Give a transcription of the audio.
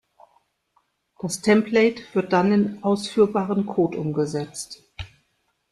Das Template wird dann in ausführbaren Code umgesetzt.